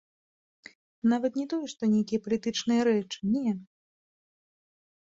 Нават не тое што нейкія палітычныя рэчы, не.